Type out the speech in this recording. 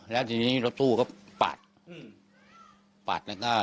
แล้วอยู่นี้รถตู้ก็ปัด